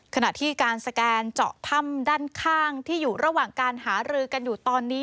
ขณะที่การสแกนเจาะถ้ำด้านข้างที่อยู่ระหว่างการหารือกันอยู่ตอนนี้